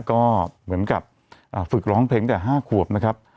ก็เหมือนกับฝึกร้องเพลงแต่๕ขวบนะครับ